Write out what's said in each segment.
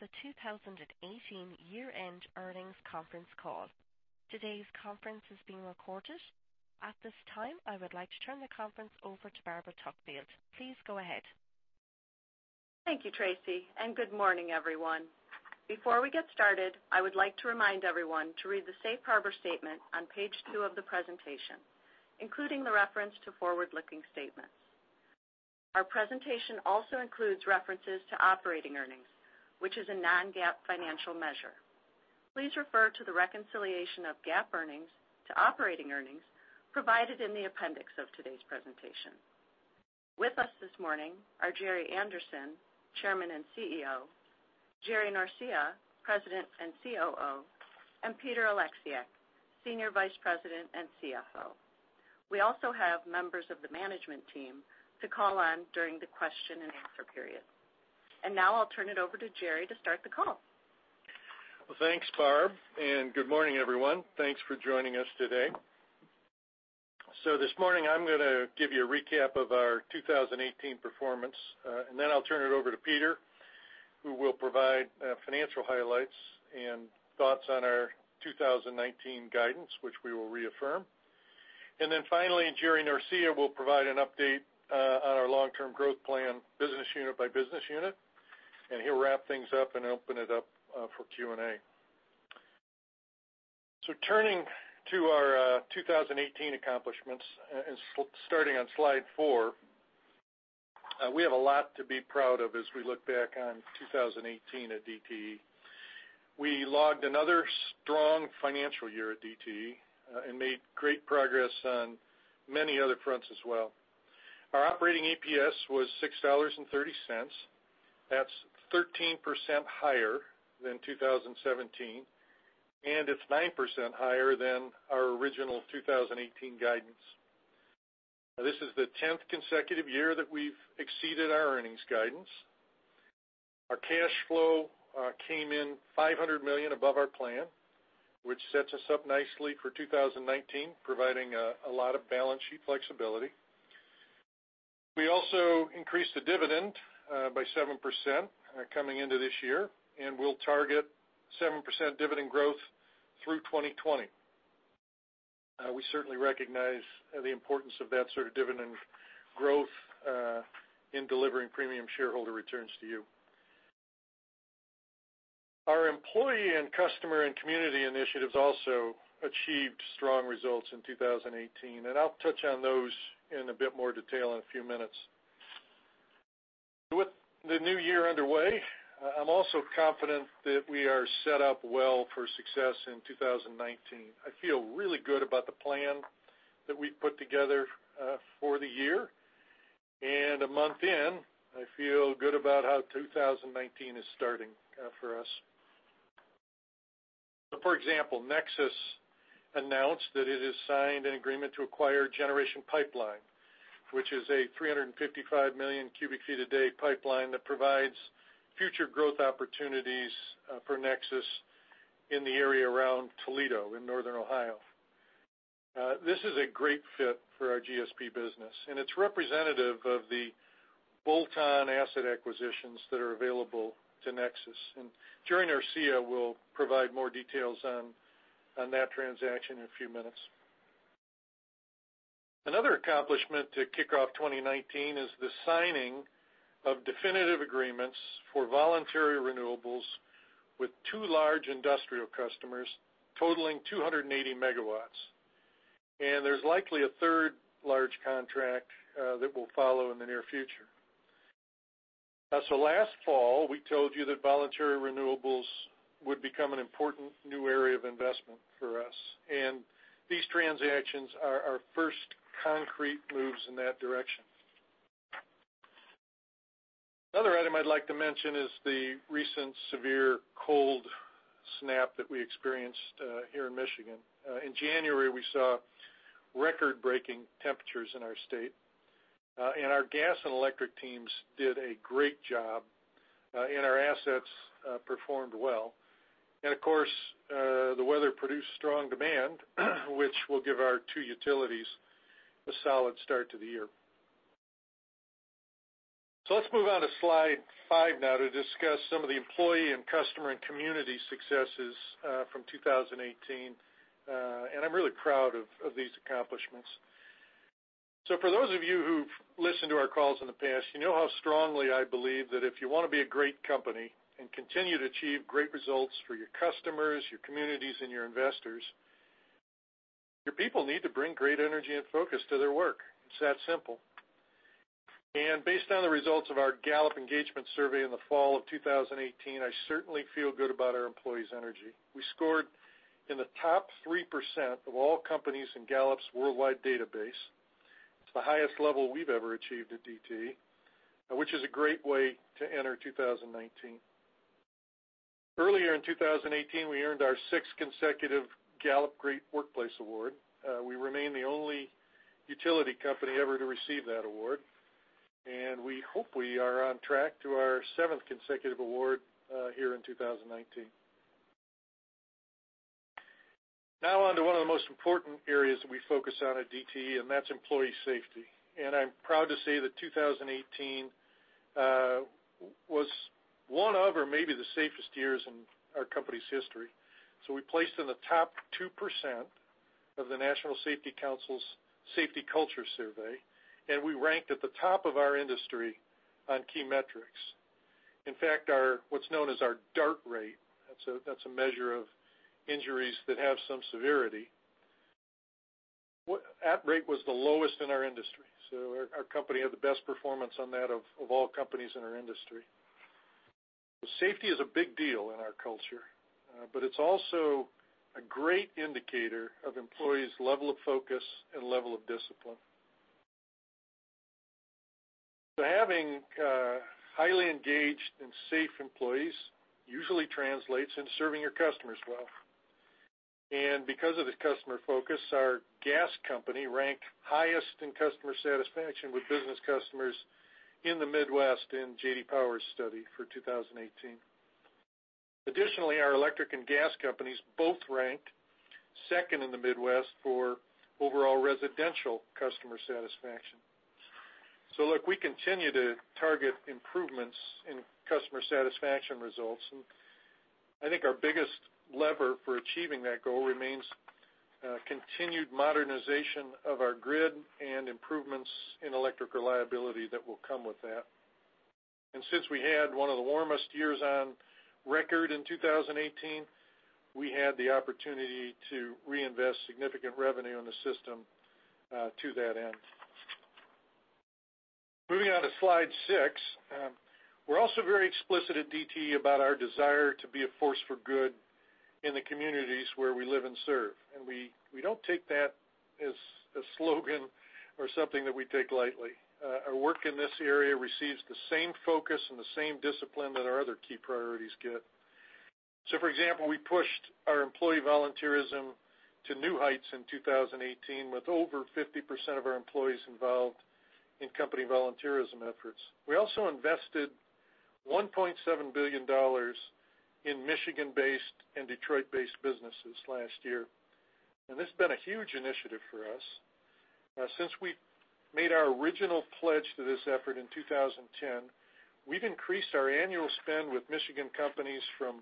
To the 2018 year-end earnings conference call. Today's conference is being recorded. At this time, I would like to turn the conference over to Barbara Tuckfield. Please go ahead. Thank you, Tracy, and good morning, everyone. Before we get started, I would like to remind everyone to read the safe harbor statement on page two of the presentation, including the reference to forward-looking statements. Our presentation also includes references to operating earnings, which is a non-GAAP financial measure. Please refer to the reconciliation of GAAP earnings to operating earnings provided in the appendix of today's presentation. With us this morning are Gerry Anderson, Chairman and CEO, Jerry Norcia, President and COO, and Peter Oleksiak, Senior Vice President and CFO. We also have members of the management team to call on during the question and answer period. Now I'll turn it over to Gerry to start the call. Well, thanks, Barb, and good morning, everyone. Thanks for joining us today. This morning, I'm going to give you a recap of our 2018 performance, then I'll turn it over to Peter, who will provide financial highlights and thoughts on our 2019 guidance, which we will reaffirm. Finally, Jerry Norcia will provide an update on our long-term growth plan, business unit by business unit, and he'll wrap things up and open it up for Q&A. Turning to our 2018 accomplishments, starting on slide four, we have a lot to be proud of as we look back on 2018 at DTE. We logged another strong financial year at DTE and made great progress on many other fronts as well. Our operating EPS was $6.30. That's 13% higher than 2017, and it's 9% higher than our original 2018 guidance. This is the 10th consecutive year that we've exceeded our earnings guidance. Our cash flow came in $500 million above our plan, which sets us up nicely for 2019, providing a lot of balance sheet flexibility. We also increased the dividend by 7% coming into this year, we'll target 7% dividend growth through 2020. We certainly recognize the importance of that sort of dividend growth in delivering premium shareholder returns to you. Our employee and customer and community initiatives also achieved strong results in 2018, I'll touch on those in a bit more detail in a few minutes. With the new year underway, I'm also confident that we are set up well for success in 2019. I feel really good about the plan that we've put together for the year. A month in, I feel good about how 2019 is starting for us. For example, NEXUS announced that it has signed an agreement to acquire Generation Pipeline, which is a 355,000,000 cu ft a day pipeline that provides future growth opportunities for NEXUS in the area around Toledo in northern Ohio. This is a great fit for our GSP business, and it's representative of the bolt-on asset acquisitions that are available to NEXUS. Jerry Norcia will provide more details on that transaction in a few minutes. Another accomplishment to kick off 2019 is the signing of definitive agreements for voluntary renewables with two large industrial customers totaling 280 MW. There's likely a third large contract that will follow in the near future. Last fall, we told you that voluntary renewables would become an important new area of investment for us, and these transactions are our first concrete moves in that direction. Another item I'd like to mention is the recent severe cold snap that we experienced here in Michigan. In January, we saw record-breaking temperatures in our state, and our gas and electric teams did a great job, and our assets performed well. Of course, the weather produced strong demand, which will give our two utilities a solid start to the year. Let's move on to slide five now to discuss some of the employee and customer and community successes from 2018. I'm really proud of these accomplishments. For those of you who've listened to our calls in the past, you know how strongly I believe that if you want to be a great company and continue to achieve great results for your customers, your communities, and your investors, your people need to bring great energy and focus to their work. It's that simple. Based on the results of our Gallup engagement survey in the fall of 2018, I certainly feel good about our employees' energy. We scored in the top 3% of all companies in Gallup's worldwide database. It's the highest level we've ever achieved at DTE, which is a great way to enter 2019. Earlier in 2018, we earned our sixth consecutive Gallup Great Workplace Award. We remain the only utility company ever to receive that award, and we hope we are on track to our seventh consecutive award here in 2019. Now on to one of the most important areas that we focus on at DTE, and that's employee safety. I'm proud to say that 2018 was one of or maybe the safest years in our company's history. We placed in the top 2% of the National Safety Council's Safety Culture Survey, and we ranked at the top of our industry on key metrics. In fact, what's known as our DART rate, that's a measure of injuries that have some severity. That rate was the lowest in our industry, so our company had the best performance on that of all companies in our industry. Safety is a big deal in our culture, but it's also a great indicator of employees' level of focus and level of discipline. Having highly engaged and safe employees usually translates into serving your customers well. Because of the customer focus, our gas company ranked highest in customer satisfaction with business customers in the Midwest in J.D. Power's study for 2018. Additionally, our electric and gas companies both ranked second in the Midwest for overall residential customer satisfaction. Look, we continue to target improvements in customer satisfaction results, and I think our biggest lever for achieving that goal remains continued modernization of our grid and improvements in electric reliability that will come with that. Since we had one of the warmest years on record in 2018, we had the opportunity to reinvest significant revenue in the system to that end. Moving on to slide six. We are also very explicit at DTE about our desire to be a force for good in the communities where we live and serve. We do not take that as a slogan or something that we take lightly. Our work in this area receives the same focus and the same discipline that our other key priorities get. For example, we pushed our employee volunteerism to new heights in 2018, with over 50% of our employees involved in company volunteerism efforts. We also invested $1.7 billion in Michigan-based and Detroit-based businesses last year, and it has been a huge initiative for us. Since we made our original pledge to this effort in 2010, we have increased our annual spend with Michigan companies from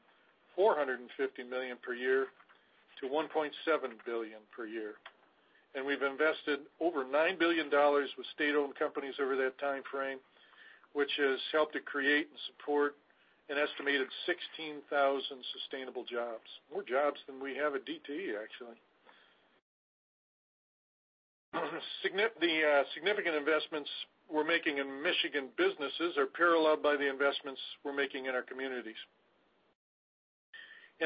$450 million per year to $1.7 billion per year. We have invested over $9 billion with state-owned companies over that timeframe, which has helped to create and support an estimated 16,000 sustainable jobs, more jobs than we have at DTE, actually. The significant investments we are making in Michigan businesses are paralleled by the investments we are making in our communities.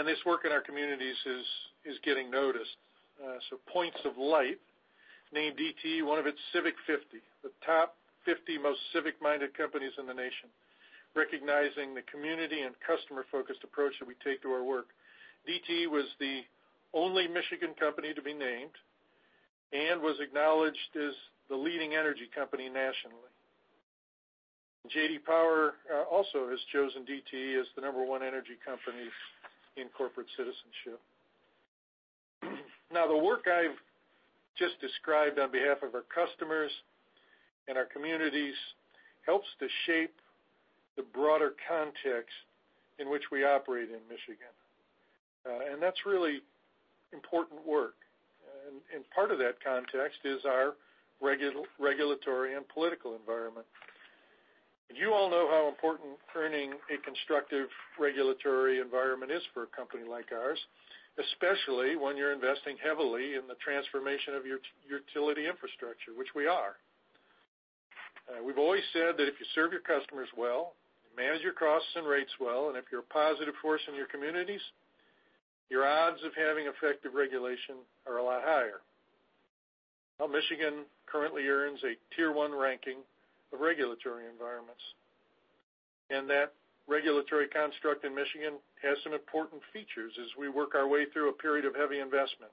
This work in our communities is getting noticed. Points of Light named DTE one of its Civic 50, the top 50 most civic-minded companies in the nation, recognizing the community and customer-focused approach that we take to our work. DTE was the only Michigan company to be named and was acknowledged as the leading energy company nationally. J.D. Power also has chosen DTE as the number one energy company in corporate citizenship. The work I have just described on behalf of our customers and our communities helps to shape the broader context in which we operate in Michigan, and that is really important work. Part of that context is our regulatory and political environment. You all know how important earning a constructive regulatory environment is for a company like ours, especially when you are investing heavily in the transformation of your utility infrastructure, which we are. We have always said that if you serve your customers well, manage your costs and rates well, and if you are a positive force in your communities, your odds of having effective regulation are a lot higher. Michigan currently earns a Tier 1 ranking of regulatory environments, and that regulatory construct in Michigan has some important features as we work our way through a period of heavy investment,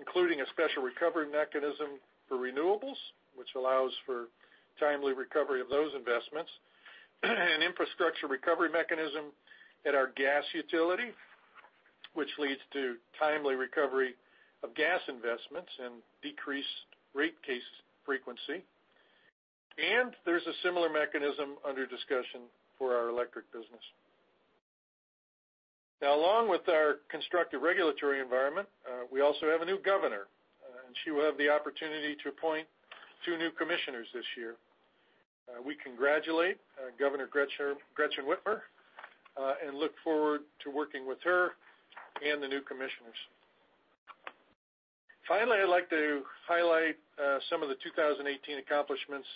including a special recovery mechanism for renewables, which allows for timely recovery of those investments, an infrastructure recovery mechanism at our gas utility, which leads to timely recovery of gas investments and decreased rate case frequency. There is a similar mechanism under discussion for our electric business. Along with our constructive regulatory environment, we also have a new governor, and she will have the opportunity to appoint two new commissioners this year. We congratulate Governor Gretchen Whitmer, and look forward to working with her and the new commissioners. Finally, I would like to highlight some of the 2018 accomplishments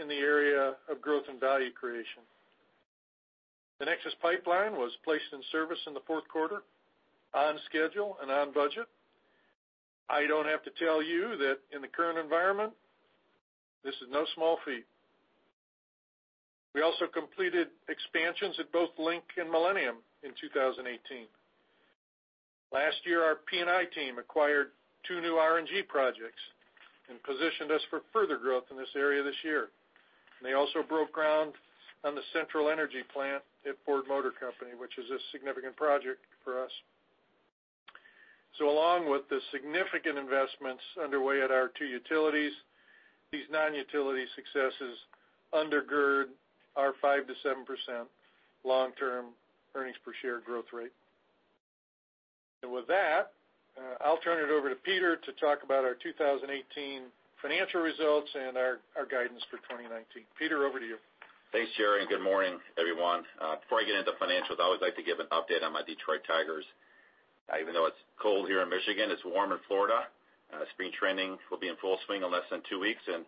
in the area of growth and value creation. The NEXUS Pipeline was placed in service in the fourth quarter on schedule and on budget. I don't have to tell you that in the current environment, this is no small feat. We also completed expansions at both Link and Millennium in 2018. Last year, our P&I team acquired two new RNG projects and positioned us for further growth in this area this year. They also broke ground on the Central Energy Plant at Ford Motor Company, which is a significant project for us. Along with the significant investments underway at our two utilities, these non-utility successes undergird our 5%-7% long-term earnings per share growth rate. With that, I'll turn it over to Peter to talk about our 2018 financial results and our guidance for 2019. Peter, over to you. Thanks, Gerry, and good morning, everyone. Before I get into financials, I always like to give an update on my Detroit Tigers. Even though it's cold here in Michigan, it's warm in Florida. Spring training will be in full swing in less than two weeks, and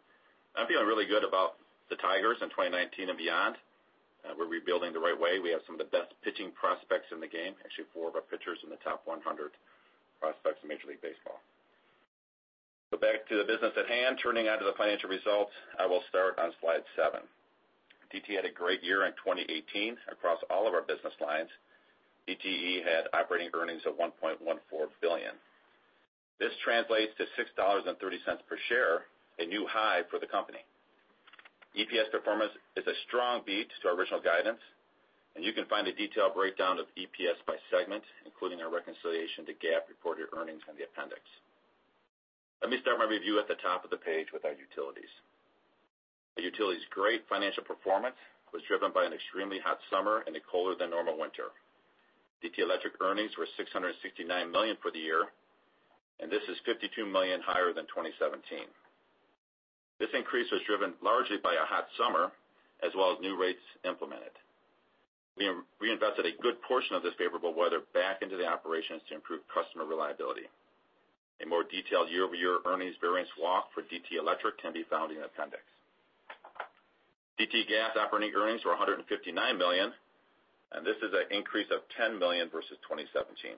I'm feeling really good about the Tigers in 2019 and beyond. We're rebuilding the right way. We have some of the best pitching prospects in the game. Actually, four of our pitchers in the top 100 prospects in Major League Baseball. Back to the business at hand, turning now to the financial results. I will start on slide seven. DTE had a great year in 2018 across all of our business lines. DTE had operating earnings of $1.14 billion. This translates to $6.30 per share, a new high for the company. EPS performance is a strong beat to our original guidance. You can find a detailed breakdown of EPS by segment, including our reconciliation to GAAP-reported earnings in the appendix. Let me start my review at the top of the page with our utilities. The utilities' great financial performance was driven by an extremely hot summer and a colder than normal winter. DTE Electric earnings were $669 million for the year. This is $52 million higher than 2017. This increase was driven largely by a hot summer as well as new rates implemented. We reinvested a good portion of this favorable weather back into the operations to improve customer reliability. A more detailed year-over-year earnings variance walk for DTE Electric can be found in the appendix. DTE Gas operating earnings were $159 million. This is an increase of $10 million versus 2017.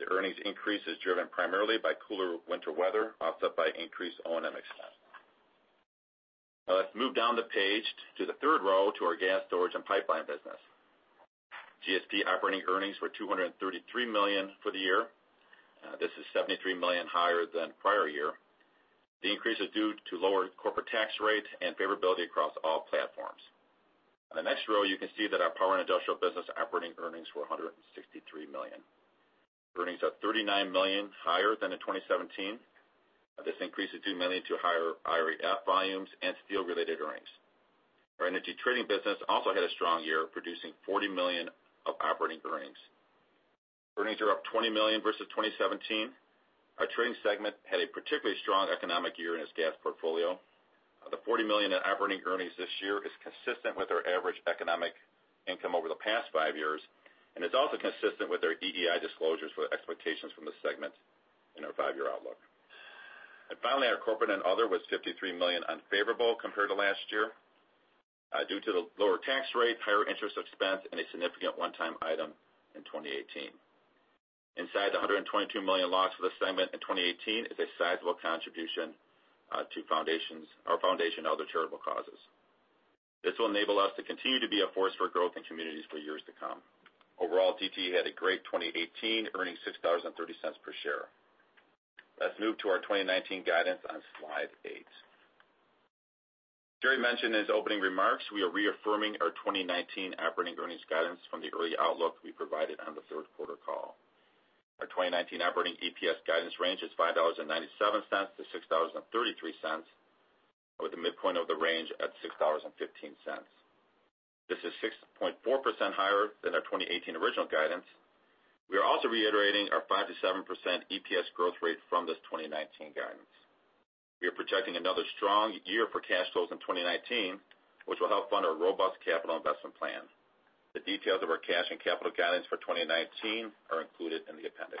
The earnings increase is driven primarily by cooler winter weather, offset by increased O&M expense. Let's move down the page to the third row to our Gas Storage and Pipelines business. GSP operating earnings were $233 million for the year. This is $73 million higher than prior year. The increase is due to lower corporate tax rate and favorability across all platforms. On the next row, you can see that our Power & Industrial business operating earnings were $163 million. Earnings are $39 million higher than in 2017. This increase is due mainly to higher IREF volumes and steel-related earnings. Our energy trading business also had a strong year, producing $40 million of operating earnings. Earnings are up $20 million versus 2017. Our trading segment had a particularly strong economic year in its gas portfolio. The $40 million in operating earnings this year is consistent with our average economic income over the past five years, and is also consistent with our EEI disclosures for expectations from this segment in our five-year outlook. Finally, our corporate and other was $53 million unfavorable compared to last year, due to the lower tax rate, higher interest expense, and a significant one-time item in 2018. Inside the $122 million loss for the segment in 2018 is a sizable contribution to our foundation and other charitable causes. This will enable us to continue to be a force for growth in communities for years to come. Overall, DTE had a great 2018, earning $6.30 per share. Let's move to our 2019 guidance on slide eight. Gerry mentioned in his opening remarks, we are reaffirming our 2019 operating earnings guidance from the early outlook we provided on the third quarter call. Our 2019 operating EPS guidance range is $5.97-$6.33, with the midpoint of the range at $6.15. This is 6.4% higher than our 2018 original guidance. We are also reiterating our 5%-7% EPS growth rate from this 2019 guidance. We are projecting another strong year for cash flows in 2019, which will help fund our robust capital investment plan. The details of our cash and capital guidance for 2019 are included in the appendix.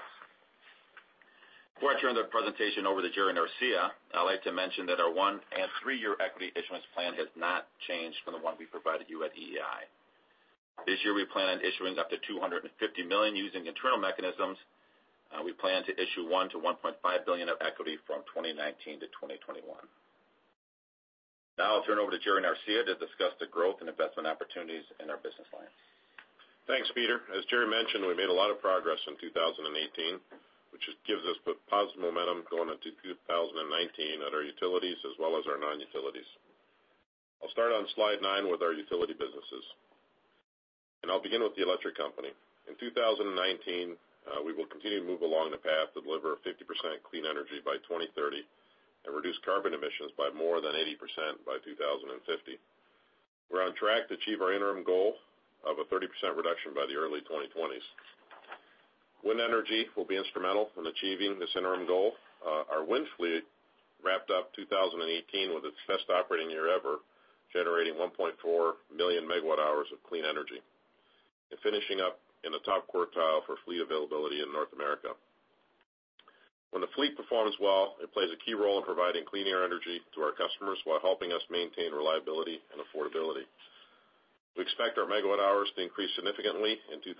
Before I turn the presentation over to Jerry Norcia, I'd like to mention that our one- and three-year equity issuance plan has not changed from the one we provided you at EEI. This year, we plan on issuing up to $250 million using internal mechanisms. We plan to issue $1 billion-$1.5 billion of equity from 2019 to 2021. I'll turn it over to Jerry Norcia to discuss the growth and investment opportunities in our business lines. Thanks, Peter. As Gerry mentioned, we made a lot of progress in 2018, which gives us positive momentum going into 2019 at our utilities as well as our non-utilities. I'll start on slide nine with our utility businesses. I'll begin with the electric company. In 2019, we will continue to move along the path to deliver 50% clean energy by 2030 and reduce carbon emissions by more than 80% by 2050. We're on track to achieve our interim goal of a 30% reduction by the early 2020s. Wind energy will be instrumental in achieving this interim goal. Our wind fleet wrapped up 2018 with its best operating year ever, generating 1.400,000 MWh Of clean energy and finishing up in the top quartile for fleet availability in North America. When the fleet performs well, it plays a key role in providing clean air energy to our customers while helping us maintain reliability and affordability. We expect our megawatt hours to increase significantly in 2019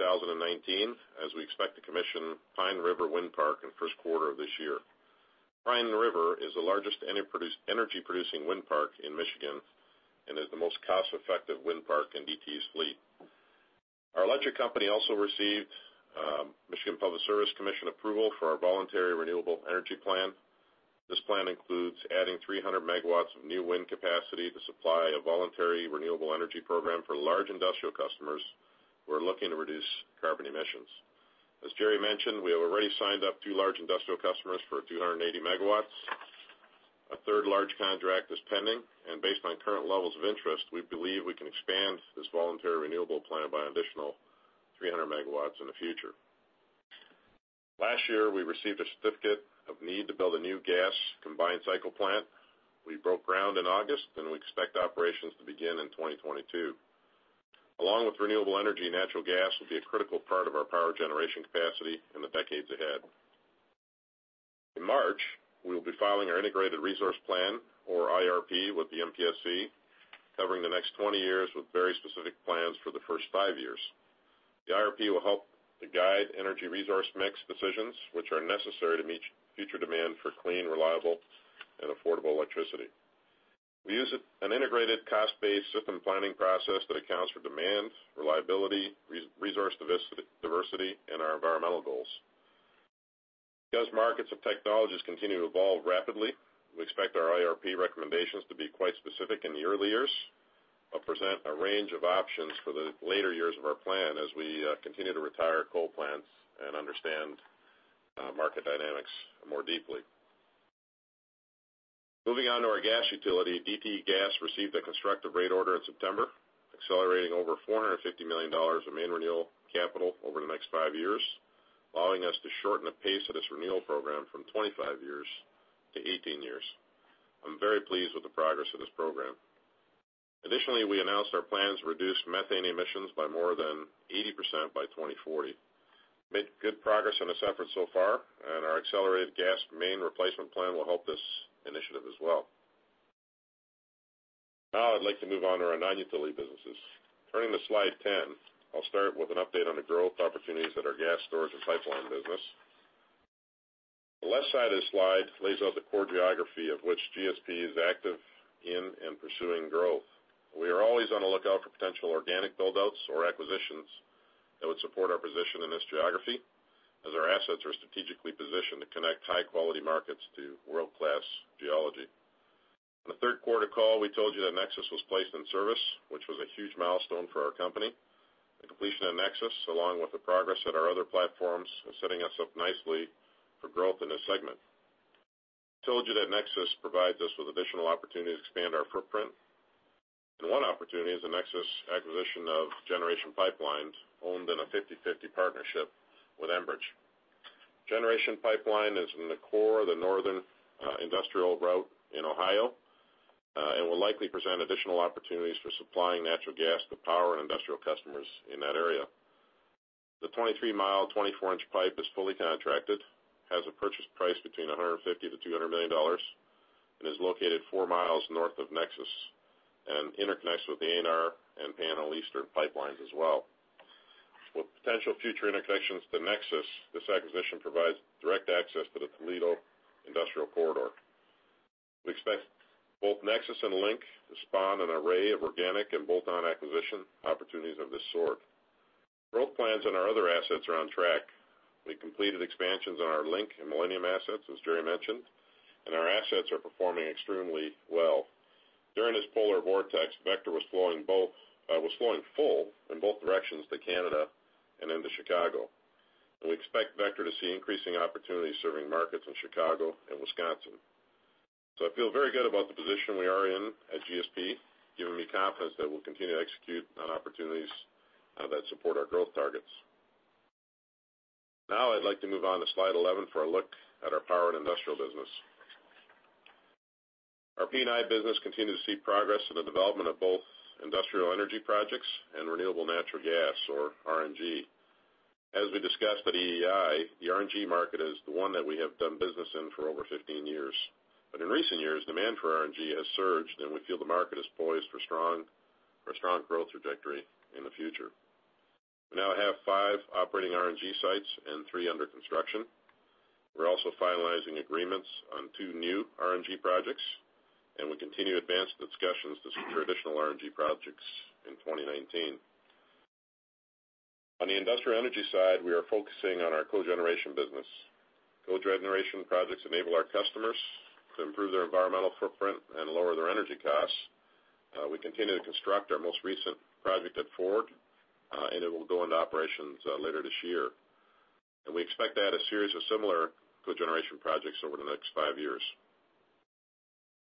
as we expect to commission Pine River Wind Park in the first quarter of this year. Pine River is the largest energy-producing wind park in Michigan and is the most cost-effective wind park in DTE's fleet. Our electric company also received Michigan Public Service Commission approval for our voluntary renewable energy plan. This plan includes adding 300 MW of new wind capacity to supply a voluntary renewable energy program for large industrial customers who are looking to reduce carbon emissions. As Jerry mentioned, we have already signed up two large industrial customers for 280 MW. A third large contract is pending. Based on current levels of interest, we believe we can expand this voluntary renewable plan by an additional 300 MW in the future. Last year, we received a certificate of need to build a new gas combined cycle plant. We broke ground in August, and we expect operations to begin in 2022. Along with renewable energy, natural gas will be a critical part of our power generation capacity in the decades ahead. In March, we will be filing our Integrated Resource Plan, or IRP, with the MPSC, covering the next 20 years with very specific plans for the first five years. The IRP will help to guide energy resource mix decisions, which are necessary to meet future demand for clean, reliable, and affordable electricity. We use an integrated cost-based system planning process that accounts for demand, reliability, resource diversity, and our environmental goals. Because markets of technologies continue to evolve rapidly, we expect our IRP recommendations to be quite specific in the early years, but present a range of options for the later years of our plan as we continue to retire coal plants and understand market dynamics more deeply. Moving on to our gas utility, DTE Gas received a constructive rate order in September, accelerating over $450 million of main renewal capital over the next five years, allowing us to shorten the pace of this renewal program from 25 years to 18 years. I'm very pleased with the progress of this program. Additionally, we announced our plans to reduce methane emissions by more than 80% by 2040. Made good progress on this effort so far, and our accelerated gas main replacement plan will help this initiative as well. Now I'd like to move on to our non-utility businesses. Turning to slide 10, I'll start with an update on the growth opportunities at our Gas Storage and Pipelines business. The left side of this slide lays out the core geography of which GSP is active in and pursuing growth. We are always on the lookout for potential organic build-outs or acquisitions that would support our position in this geography, as our assets are strategically positioned to connect high-quality markets to world-class geology. On the third quarter call, we told you that NEXUS was placed in service, which was a huge milestone for our company. The completion of NEXUS, along with the progress at our other platforms, is setting us up nicely for growth in this segment. I told you that NEXUS provides us with additional opportunities to expand our footprint, and one opportunity is the NEXUS acquisition of Generation Pipeline, owned in a 50/50 partnership with Enbridge. Generation Pipeline is in the core of the northern industrial route in Ohio, will likely present additional opportunities for supplying natural gas to Power & Industrial customers in that area. The 23 mi, 24 in pipe is fully contracted, has a purchase price between $150 million-$200 million, is located four miles north of NEXUS, interconnects with the ANR and Panhandle Eastern Pipelines as well. With potential future interconnections to NEXUS, this acquisition provides direct access to the Toledo industrial corridor. We expect both NEXUS and Link to spawn an array of organic and bolt-on acquisition opportunities of this sort. Growth plans on our other assets are on track. We completed expansions on our Link and Millennium Pipeline assets, as Jerry mentioned, and our assets are performing extremely well. During this polar vortex, Vector Pipeline was flowing full in both directions to Canada and into Chicago. We expect Vector Pipeline to see increasing opportunities serving markets in Chicago and Wisconsin. I feel very good about the position we are in at GSP, giving me confidence that we'll continue to execute on opportunities that support our growth targets. I'd like to move on to slide 11 for a look at our Power & Industrial business. Our P&I business continued to see progress in the development of both industrial energy projects and renewable natural gas, or RNG. As we discussed at EEI, the RNG market is the one that we have done business in for over 15 years. In recent years, demand for RNG has surged, and we feel the market is poised for a strong growth trajectory in the future. We now have five operating RNG sites and three under construction. We're also finalizing agreements on two new RNG projects, we continue to advance the discussions to secure additional RNG projects in 2019. On the industrial energy side, we are focusing on our cogeneration business. Cogeneration projects enable our customers to improve their environmental footprint and lower their energy costs. We continue to construct our most recent project at Ford, it will go into operations later this year. We expect to add a series of similar cogeneration projects over the next five years.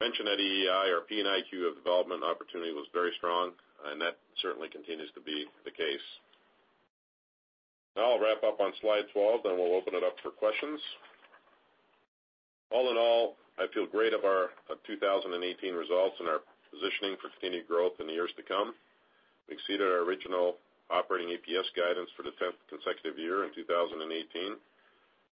I mentioned at EEI, our P&I queue of development opportunity was very strong, that certainly continues to be the case. I'll wrap up on slide 12, we'll open it up for questions. All in all, I feel great of our 2018 results and our positioning for continued growth in the years to come. We exceeded our original operating EPS guidance for the 10th consecutive year in 2018.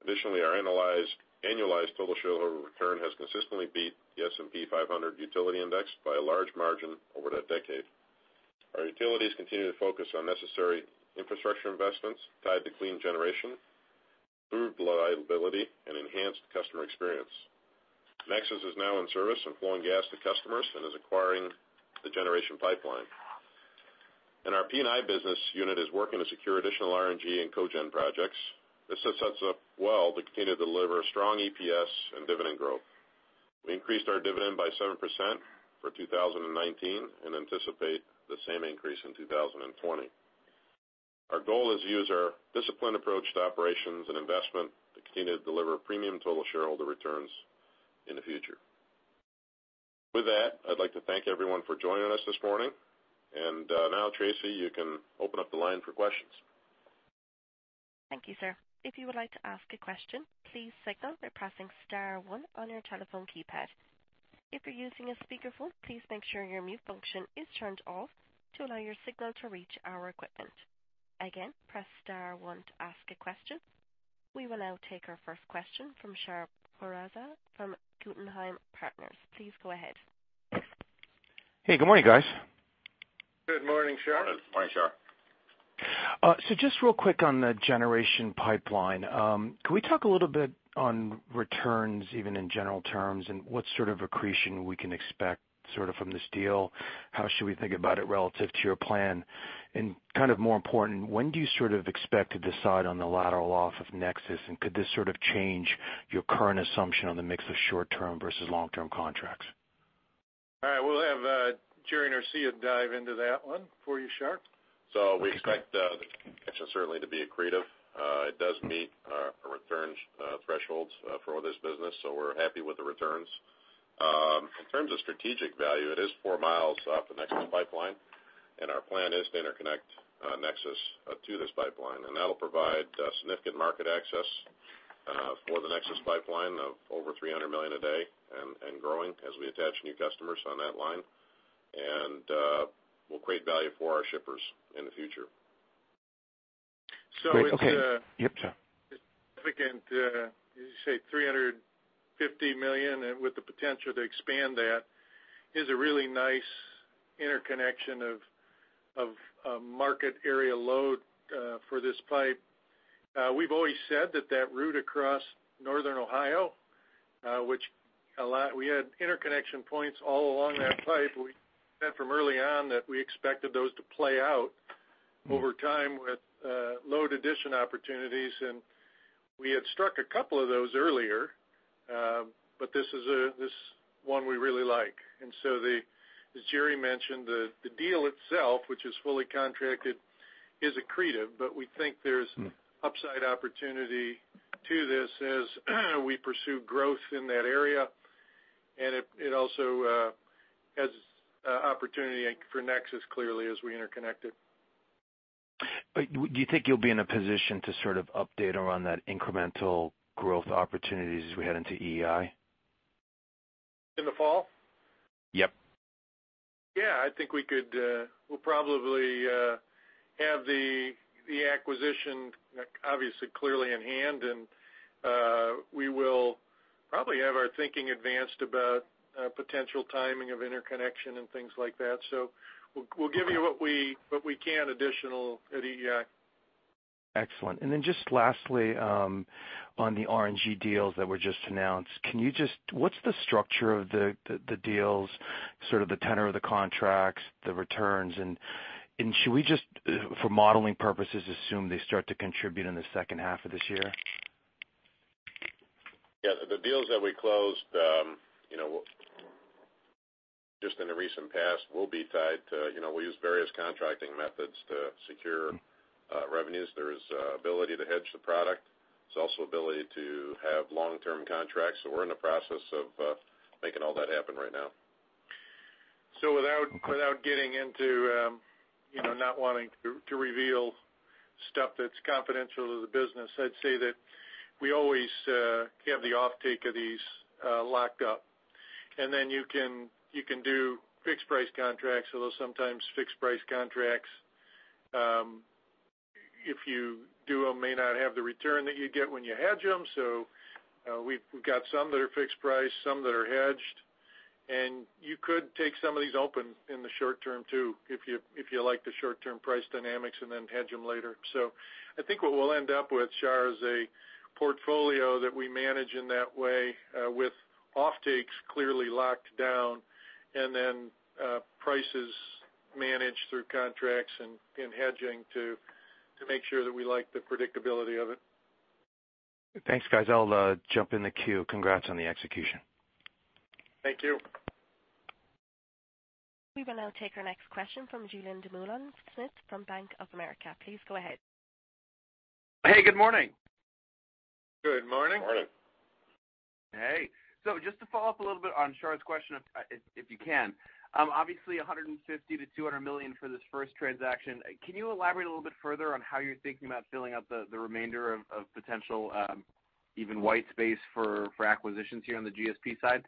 Additionally, our annualized total shareholder return has consistently beat the S&P 500 utility index by a large margin over that decade. Our utilities continue to focus on necessary infrastructure investments tied to clean generation Improved reliability and enhanced customer experience. NEXUS is now in service and flowing gas to customers and is acquiring the Generation Pipeline. Our P&I business unit is working to secure additional RNG and cogen projects. This sets us up well to continue to deliver strong EPS and dividend growth. We increased our dividend by 7% for 2019 and anticipate the same increase in 2020. Our goal is to use our disciplined approach to operations and investment to continue to deliver premium total shareholder returns in the future. With that, I'd like to thank everyone for joining us this morning. Now, Tracy, you can open up the line for questions. Thank you, sir. If you would like to ask a question, please signal by pressing star one on your telephone keypad. If you're using a speakerphone, please make sure your mute function is turned off to allow your signal to reach our equipment. Again, press star one to ask a question. We will now take our first question from Shar Pourreza from Guggenheim Partners. Please go ahead. Hey, good morning, guys. Good morning, Shar. Morning. Just real quick on the Generation Pipeline. Can we talk a little bit on returns, even in general terms, and what sort of accretion we can expect from this deal? How should we think about it relative to your plan? More important, when do you expect to decide on the lateral off of Nexus, and could this change your current assumption on the mix of short-term versus long-term contracts? All right. We'll have Jerry Norcia dive into that one for you, Shar. We expect the connection certainly to be accretive. It does meet our returns thresholds for this business, so we're happy with the returns. In terms of strategic value, it is four miles off the Nexus pipeline, and our plan is to interconnect Nexus to this pipeline. That'll provide significant market access for the Nexus pipeline of over 300 million a day and growing as we attach new customers on that line. Will create value for our shippers in the future. Great. Okay. Yep. It's significant, as you say, $350 million, and with the potential to expand that, is a really nice interconnection of market area load for this pipe. We've always said that that route across northern Ohio, which we had interconnection points all along that pipe, we said from early on that we expected those to play out over time with load addition opportunities, and we had struck a couple of those earlier. This is one we really like. As Jerry mentioned, the deal itself, which is fully contracted, is accretive, but we think there's upside opportunity to this as we pursue growth in that area. It also has opportunity for NEXUS, clearly, as we interconnect it. Do you think you'll be in a position to update around that incremental growth opportunities as we head into EEI? In the fall? Yep. Yeah, I think we'll probably have the acquisition obviously, clearly in hand. We will probably have our thinking advanced about potential timing of interconnection and things like that. We'll give you what we can additional at EEI. Excellent. Just lastly, on the RNG deals that were just announced, what's the structure of the deals, sort of the tenor of the contracts, the returns, and should we just, for modeling purposes, assume they start to contribute in the second half of this year? Yeah, the deals that we closed just in the recent past. We use various contracting methods to secure revenues. There's ability to hedge the product. There's also ability to have long-term contracts. We're in the process of making all that happen right now. Without getting into not wanting to reveal stuff that's confidential to the business, I'd say that we always have the offtake of these locked up. You can do fixed price contracts, although sometimes fixed price contracts, if you do them, may not have the return that you get when you hedge them. We've got some that are fixed price, some that are hedged. You could take some of these open in the short term too, if you like the short-term price dynamics. Hedge them later. I think what we'll end up with, Shar, is a portfolio that we manage in that way with offtakes clearly locked down. Prices managed through contracts and hedging to make sure that we like the predictability of it. Thanks, guys. I'll jump in the queue. Congrats on the execution. Thank you. We will now take our next question from Julien Dumoulin-Smith from Bank of America. Please go ahead. Hey, good morning. Good morning. Morning. Just to follow up a little bit on Shar's question, if you can. Obviously $150 million-$200 million for this first transaction. Can you elaborate a little bit further on how you're thinking about filling out the remainder of potential even white space for acquisitions here on the GSP side?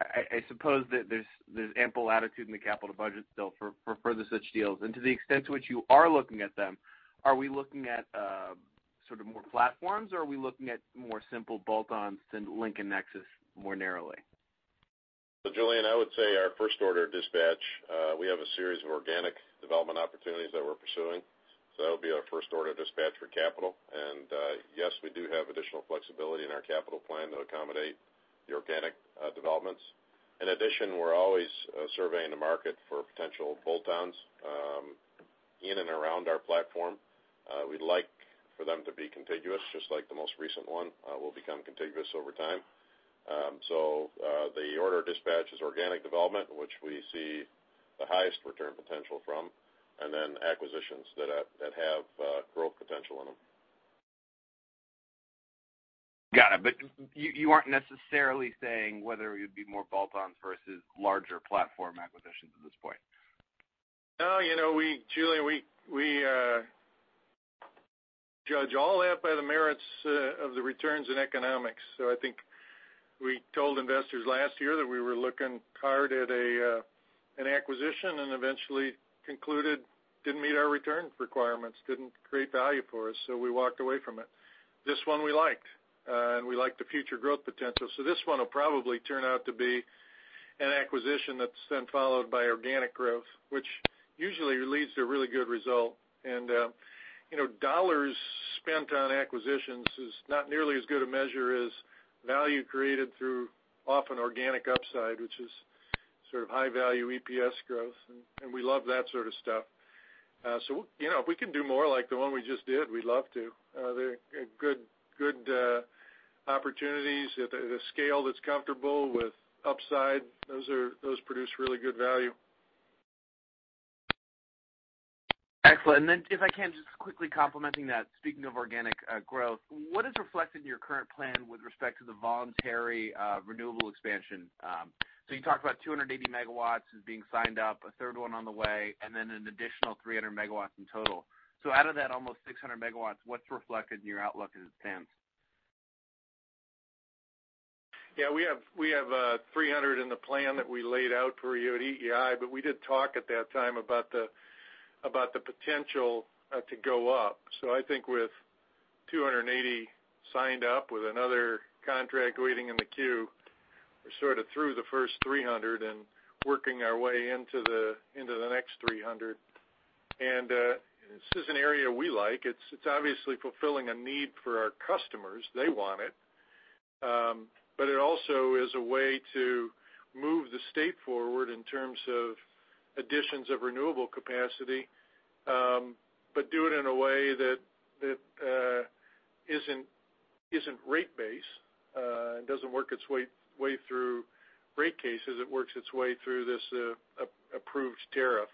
I suppose that there's ample latitude in the capital budget still for further such deals. To the extent to which you are looking at them, are we looking at more platforms, or are we looking at more simple bolt-ons than Link and NEXUS more narrowly? Julien, I would say our first order of dispatch, we have a series of organic development opportunities that we're pursuing. That'll be our first order of dispatch for capital. Yes, we do have additional flexibility in our capital plan to accommodate the organic developments. In addition, we're always surveying the market for potential bolt-ons in and around our platform. We'd like for them to be contiguous, just like the most recent one will become contiguous over time. The order of dispatch is organic development, which we see the highest return potential from, and then acquisitions that have growth potential in them. Got it. You aren't necessarily saying whether it would be more bolt-ons versus larger platform acquisitions at this point. No, Julien, we judge all that by the merits of the returns and economics. I think we told investors last year that we were looking hard at an acquisition and eventually concluded didn't meet our return requirements, didn't create value for us, we walked away from it. This one we liked, and we liked the future growth potential. This one will probably turn out to be an acquisition that's then followed by organic growth, which usually leads to a really good result. Dollars spent on acquisitions is not nearly as good a measure as value created through often organic upside, which is sort of high-value EPS growth, and we love that sort of stuff. If we can do more like the one we just did, we'd love to. They're good opportunities at a scale that's comfortable with upside. Those produce really good value. Excellent. Then if I can, just quickly complementing that, speaking of organic growth, what is reflected in your current plan with respect to the voluntary renewable expansion? You talked about 280 MW as being signed up, a third one on the way, and then an additional 300 MW in total. Out of that almost 600 MW, what's reflected in your outlook as it stands? We have 300 MW in the plan that we laid out for you at EEI, but we did talk at that time about the potential to go up. I think with 280 MW signed up with another contract waiting in the queue, we're sort of through the first 300 MW and working our way into the next 300 MW. This is an area we like. It's obviously fulfilling a need for our customers. They want it. It also is a way to move the state forward in terms of additions of renewable capacity, but do it in a way that isn't rate-based, and doesn't work its way through rate cases. It works its way through this approved tariff.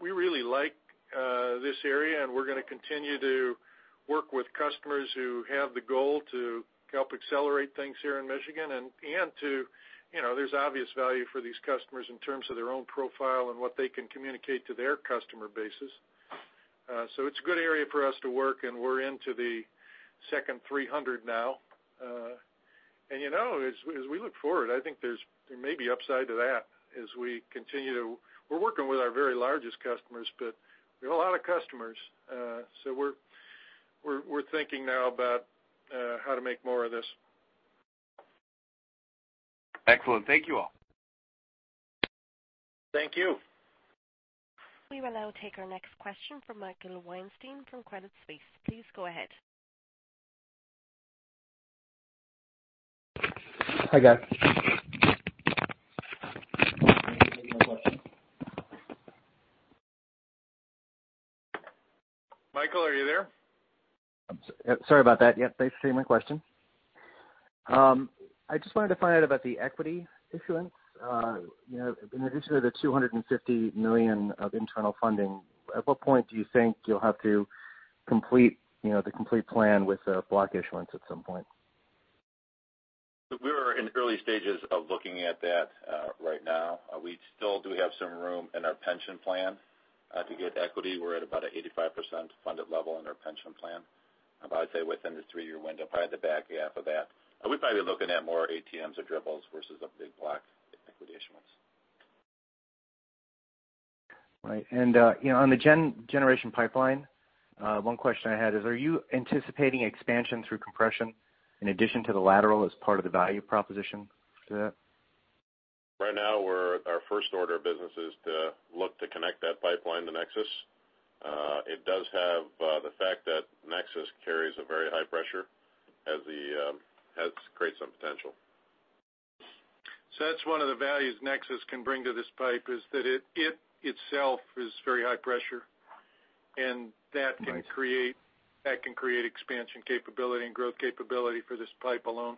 We really like this area, and we're going to continue to work with customers who have the goal to help accelerate things here in Michigan, and there's obvious value for these customers in terms of their own profile and what they can communicate to their customer bases. It's a good area for us to work, and we're into the second 300 MW now. As we look forward, I think there may be upside to that as we're working with our very largest customers, but we have a lot of customers. We're thinking now about how to make more of this. Excellent. Thank you all. Thank you. We will now take our next question from Michael Weinstein from Credit Suisse. Please go ahead. Hi, guys. Michael, are you there? Sorry about that. Yes, thanks. You can hear my question. I just wanted to find out about the equity issuance. In addition to the $250 million of internal funding, at what point do you think you'll have to complete the plan with block issuance at some point? We are in early stages of looking at that right now. We still do have some room in our pension plan to get equity. We're at about a 85% funded level in our pension plan. I would say within the three-year window, probably the back half of that. We'd probably be looking at more ATMs or dribbles versus a big block equity issuance. Right. On the Generation Pipeline, one question I had is, are you anticipating expansion through compression in addition to the lateral as part of the value proposition to that? Right now, our first order of business is to look to connect that pipeline to NEXUS. It does have the fact that NEXUS carries a very high pressure, creates some potential. That's one of the values NEXUS can bring to this pipe is that it itself is very high pressure. Right. That can create expansion capability and growth capability for this pipe alone.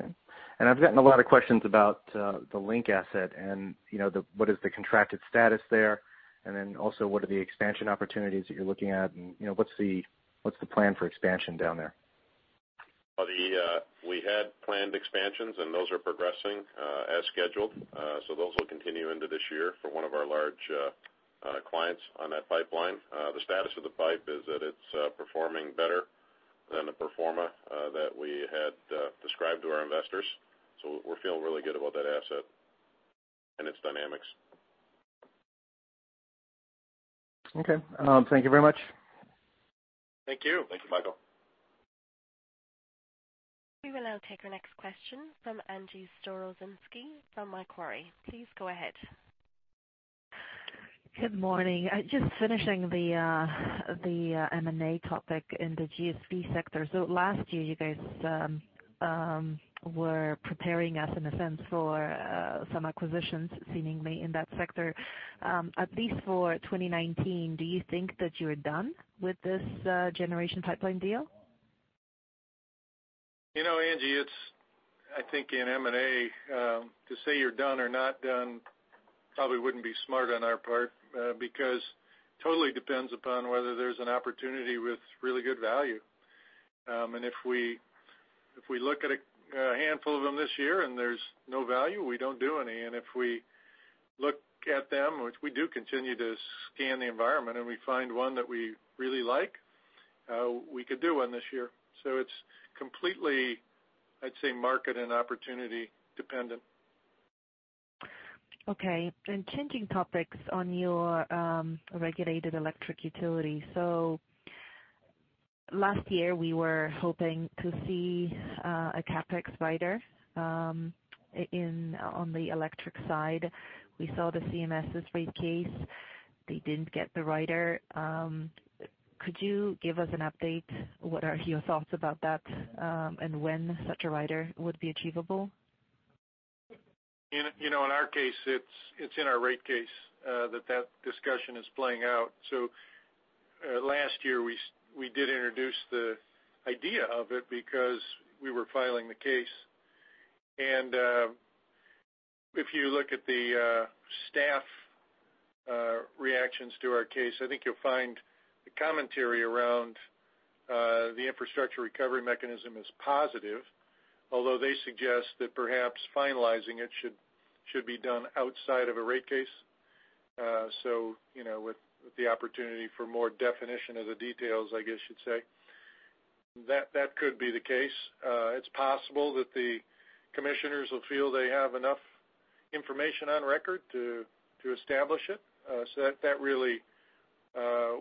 Okay. I've gotten a lot of questions about the Link asset and what is the contracted status there. Then also, what are the expansion opportunities that you're looking at, and what's the plan for expansion down there? We had planned expansions, and those are progressing as scheduled. Those will continue into this year for one of our large clients on that pipeline. The status of the pipe is that it's performing better than the pro forma that we had described to our investors. We're feeling really good about that asset and its dynamics. Okay. Thank you very much. Thank you. Thank you, Michael. We will now take our next question from Angie Storozynski from Macquarie. Please go ahead. Good morning. Just finishing the M&A topic in the GSP sector. Last year, you guys were preparing us, in a sense, for some acquisitions, seemingly in that sector. At least for 2019, do you think that you are done with this Generation Pipeline deal? Angie, it's, I think in M&A, to say you're done or not done probably wouldn't be smart on our part, because totally depends upon whether there's an opportunity with really good value. If we look at a handful of them this year and there's no value, we don't do any. If we look at them, which we do continue to scan the environment, and we find one that we really like, we could do one this year. It's completely, I'd say, market and opportunity dependent. Okay. Changing topics on your regulated electric utility. Last year, we were hoping to see a CapEx rider on the electric side. We saw the CMS Energy's rate case. They didn't get the rider. Could you give us an update? What are your thoughts about that? When such a rider would be achievable? In our case, it's in our rate case that that discussion is playing out. Last year, we did introduce the idea of it because we were filing the case. If you look at the staff reactions to our case, I think you'll find the commentary around the infrastructure recovery mechanism is positive, although they suggest that perhaps finalizing it should be done outside of a rate case. With the opportunity for more definition of the details, I guess you'd say. That could be the case. It's possible that the commissioners will feel they have enough information on record to establish it. That, really,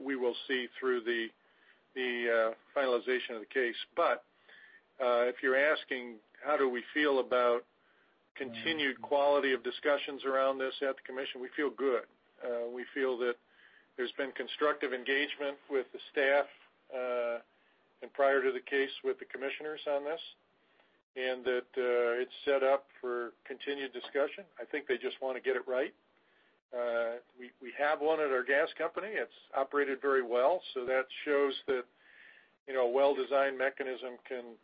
we will see through the finalization of the case. If you're asking how do we feel about continued quality of discussions around this at the commission, we feel good. We feel that there's been constructive engagement with the staff, and prior to the case with the commissioners on this, and that it's set up for continued discussion. I think they just want to get it right. We have one at our Gas Company. It's operated very well, that shows that a well-designed mechanism can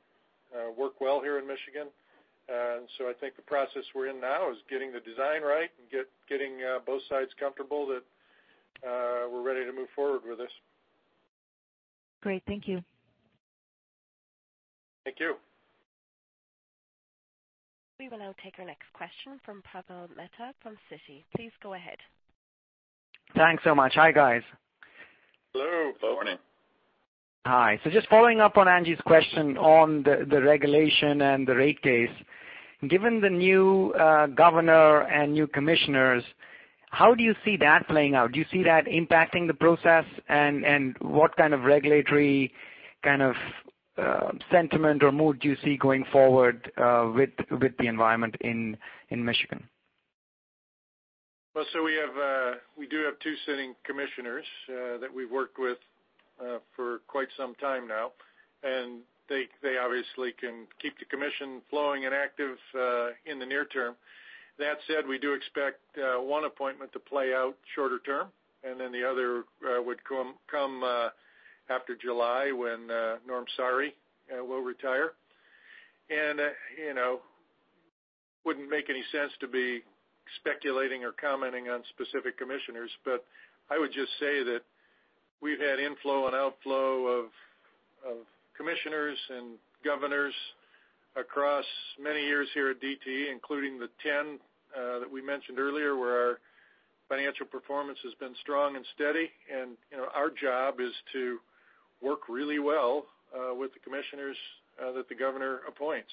work well here in Michigan. I think the process we're in now is getting the design right and getting both sides comfortable that we're ready to move forward with this. Great. Thank you. Thank you. We will now take our next question from Praful Mehta from Citi. Please go ahead. Thanks so much. Hi, guys. Hello. Good morning. Hi. Just following up on Angie's question on the regulation and the rate case. Given the new governor and new commissioners, how do you see that playing out? Do you see that impacting the process? What kind of regulatory sentiment or mood do you see going forward with the environment in Michigan? We do have two sitting commissioners that we've worked with for quite some time now, they obviously can keep the commission flowing and active in the near term. That said, we do expect one appointment to play out shorter term, the other would come after July when Norman Saari will retire. It wouldn't make any sense to be speculating or commenting on specific commissioners, I would just say that we've had inflow and outflow of commissioners and governors across many years here at DTE, including the 10 that we mentioned earlier, where our financial performance has been strong and steady. Our job is to work really well with the commissioners that the governor appoints.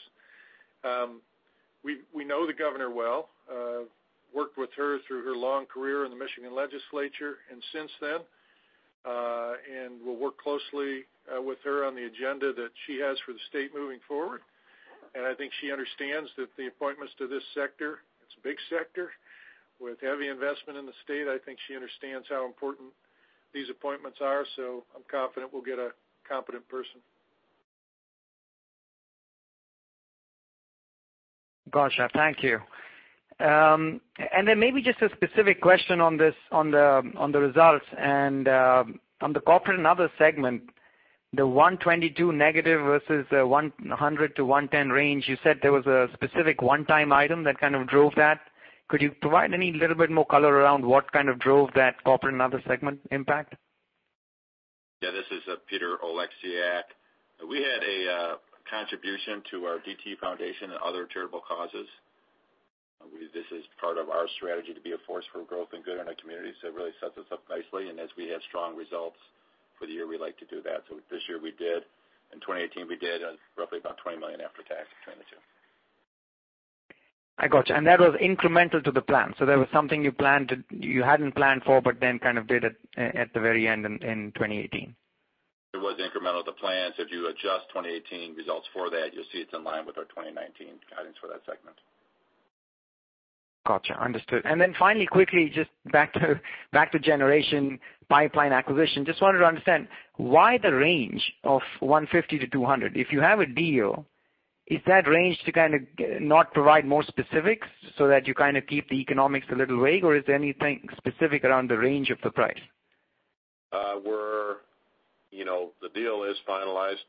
We know the governor well. Worked with her through her long career in the Michigan legislature and since then, we'll work closely with her on the agenda that she has for the state moving forward. I think she understands that the appointments to this sector, it's a big sector with heavy investment in the state. I think she understands how important these appointments are, I'm confident we'll get a competent person. Gotcha. Thank you. Maybe just a specific question on the results and on the corporate and other segment, the 122- versus the 100 to 110 range, you said there was a specific one-time item that kind of drove that. Could you provide any little bit more color around what kind of drove that corporate and other segment impact? Yeah, this is Peter Oleksiak. We had a contribution to our DTE Foundation and other charitable causes. This is part of our strategy to be a force for growth and good in our communities. It really sets us up nicely, as we have strong results for the year, we like to do that. This year we did. In 2018, we did roughly about $20 million after tax in 2018. I got you. That was incremental to the plan. That was something you hadn't planned for, but then kind of did it at the very end in 2018. It was incremental to the plan. If you adjust 2018 results for that, you'll see it's in line with our 2019 guidance for that segment. Got you. Understood. Finally, quickly, just back to Generation Pipeline acquisition. Just wanted to understand why the range of $150-$200. If you have a deal, is that range to kind of not provide more specifics so that you kind of keep the economics a little vague? Is there anything specific around the range of the price? The deal is finalized.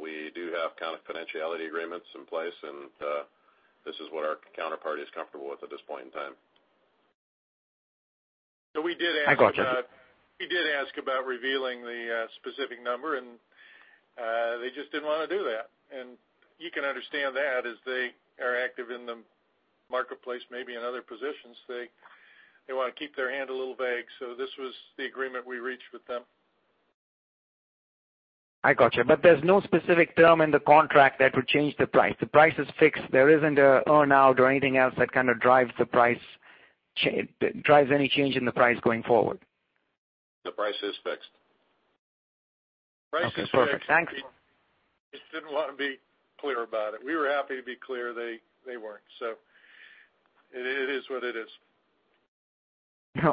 We do have confidentiality agreements in place. This is what our counterparty is comfortable with at this point in time. We did ask. I got you. We did ask about revealing the specific number, and they just didn't want to do that. You can understand that as they are active in the marketplace, maybe in other positions, they want to keep their hand a little vague. This was the agreement we reached with them. I got you. There's no specific term in the contract that would change the price. The price is fixed. There isn't a earn-out or anything else that kind of drives any change in the price going forward. The price is fixed. Okay, perfect. Thanks. Price is fixed. They just didn't want to be clear about it. We were happy to be clear. They weren't. It is what it is.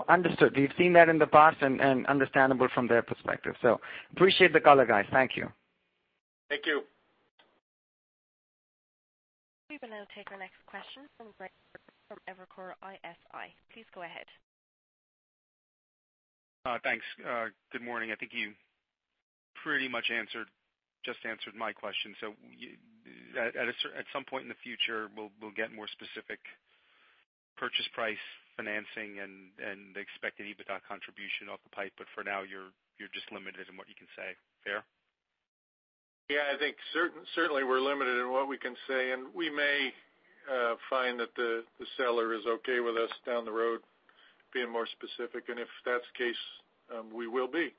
Understood. We've seen that in the past and understandable from their perspective. Appreciate the color, guys. Thank you. Thank you. We will now take our next question from Greg from Evercore ISI. Please go ahead. Thanks. Good morning. I think you pretty much just answered my question. At some point in the future, we'll get more specific purchase price financing and the expected EBITDA contribution off the pipe. For now, you're just limited in what you can say. Fair? Yeah, I think certainly we're limited in what we can say, and we may find that the seller is okay with us down the road being more specific. If that's the case, we will be.